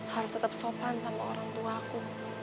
harus tetap sopan sama orang tua aku